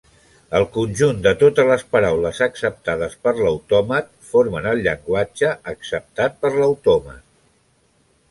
El conjunt de totes les paraules acceptades per l'autòmat formen el llenguatge acceptat per l'autòmat.